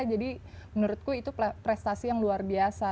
jadi menurutku itu prestasi yang luar biasa